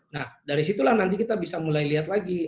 nah dari situlah nanti kita bisa mulai lihat lagi